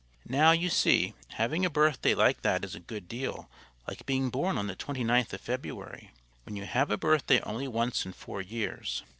Now you see, having a birthday like that is a good deal like being born on the twenty ninth of February, when you have a birthday only once in four years.